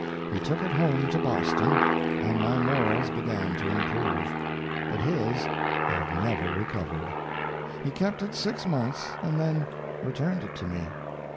He took it home to Boston, and my morals began to improve, but his have never recovered. He kept it six months, and then returned it to me.